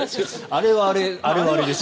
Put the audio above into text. あれはあれでしょ。